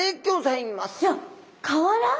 いや瓦？